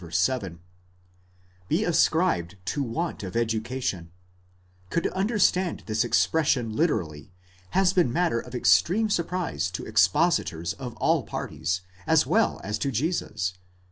7), be ascribed to want of educa tion—could understand this expression literally, has been matter of extreme surprise to expositors of all parties, as well as to Jesus (v.